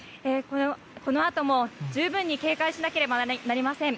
このあとも十分に警戒しなければなりません。